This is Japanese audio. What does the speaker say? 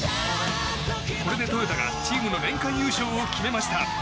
これでトヨタがチームの年間優勝を決めました。